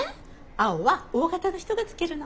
青はＯ型の人が着けるの。